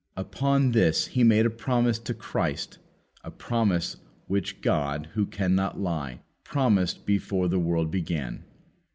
Upon this He made a promise to Christ, a promise which God, who cannot lie, promised before the world began.